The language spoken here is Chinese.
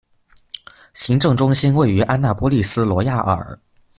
行政中心位于安纳波利斯罗亚尔。